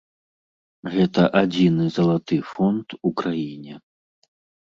Гэта адзіны залаты фонд у краіне.